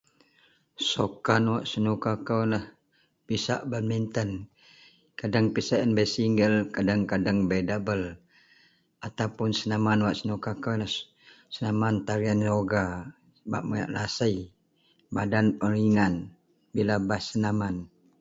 sukan wak senuka kou ienlah pisak badminton, kadang pisak ien bei single, kadang-kadang bei double atau senaman wak senuka kou senaman tarian yoga bak miweak lasei, badan pun ringan bila baih senaman